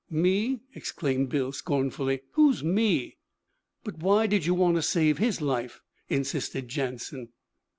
'Me!' exclaimed Bill scornfully. 'Who's me?' 'But why did you want to save his life?' insisted Jansen.